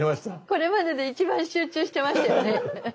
これまでで一番集中してましたよね。